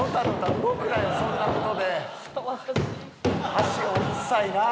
足をうるさいなあ！